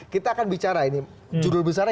kita akan bicara ini judul besarnya